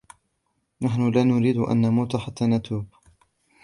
نَحْنُ لَا نُرِيدُ أَنْ نَمُوتَ حَتَّى نَتُوبَ